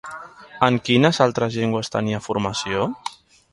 En quines altres llengües tenia formació?